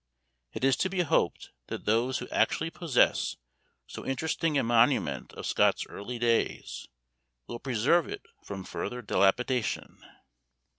It is to be hoped that those who actually possess so interesting a monument of Scott's early days, will preserve it from further dilapidation.